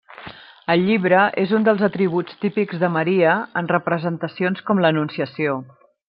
El llibre és un dels atributs típics de Maria en representacions com l'Anunciació.